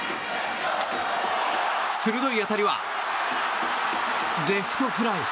鋭い当たりはレフトフライ。